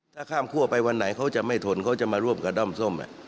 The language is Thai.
ถ้าข้ามคั่วไปวันไหนเขาจะไม่ทนเขาจะมาร่วมกับด้อมส้ม